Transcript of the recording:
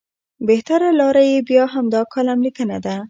بهتره لاره یې بیا همدا کالم لیکنه ده.